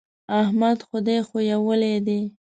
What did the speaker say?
احمد خدای ښويولی دی.